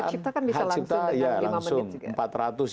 kalau untuk hak ciptaan kan bisa langsung dengan lima menit juga